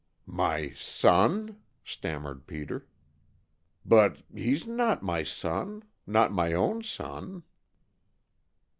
"My son?" stammered Peter. "But he's not my son not my own son."